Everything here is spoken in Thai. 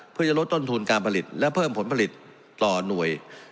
เพื่อจะลดต้นทุนการผลิตและเพิ่มผลผลิตต่อหน่วย